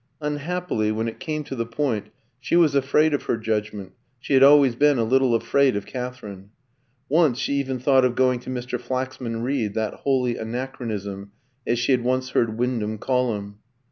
Unhappily, when it came to the point, she was afraid of her judgment she had always been a little afraid of Katherine. Once she even thought of going to Mr. Flaxman Reed, that "holy anachronism," as she had once heard Wyndham call him.